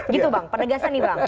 gitu bang penegasan nih bang